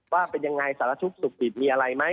ว่าเป็นยังไงสารทุกข์สุขดิบมีอะไรไหม